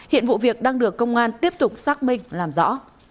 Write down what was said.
hiện vụ việc đang được công an tiếp tục xác minh làm rõ